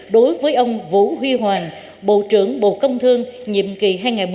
đối với ông vũ huy hoàng bộ trưởng bộ công thương nhiệm kỳ hai nghìn một mươi sáu hai nghìn hai mươi sáu